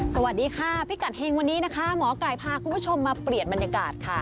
สวัสดีค่ะพิกัดเฮงวันนี้นะคะหมอไก่พาคุณผู้ชมมาเปลี่ยนบรรยากาศค่ะ